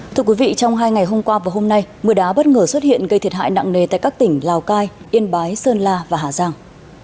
thưa quý vị trong hai ngày hôm qua và hôm nay mưa đá bất ngờ xuất hiện gây thiệt hại nặng nề tại các tỉnh lào cai yên bái sơn la và hà giang